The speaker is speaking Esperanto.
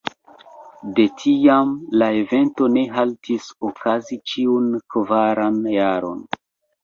De tiam, la evento ne haltis okazi ĉiun kvaran jaron.